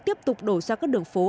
tiếp tục đổ ra các đường phố